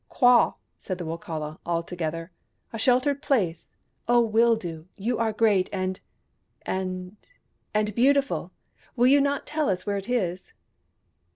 " Kwah !" said the Wokala, all together. " A sheltered place ! Oh, Wildoo, you are great and — and — and beautiful. W^ill you not tell us where it is?"